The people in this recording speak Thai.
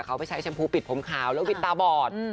เขาไปใช้ชมพูปิดผมขาวแล้ววิดตาบอด